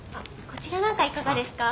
こちらなんかいかがですか？